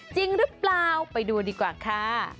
จริงหรือเปล่าไปดูดีกว่าค่ะ